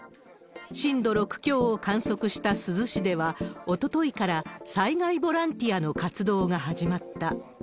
震度６強を観測した珠洲市では、おとといから災害ボランティアの活動が始まった。